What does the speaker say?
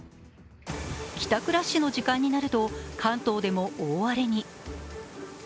帰宅ラッシュの時間になると関東でも大荒れに。